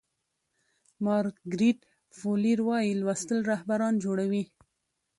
مارګریت فو لیر وایي لوستل رهبران جوړوي.